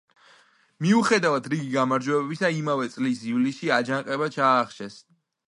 მიუხედავად რიგი გამარჯვებებისა, იმავე წლის ივლისში აჯანყება ჩაახშეს.